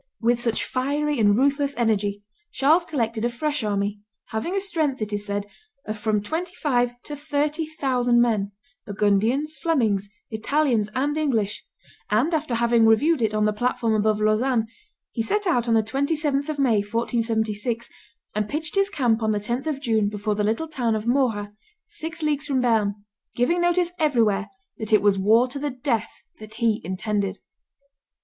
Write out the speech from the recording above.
With such fiery and ruthless energy Charles collected a fresh army, having a strength, it is said, of from twenty five to thirty thousand men, Burgundians, Flemings, Italians, and English; and after having reviewed it on the platform above Lausanne, he set out on the 27th of May, 1476, and pitched his camp on the 10th of June before the little town of Morat, six leagues from Berne, giving notice everywhere that it was war to the death that he intended.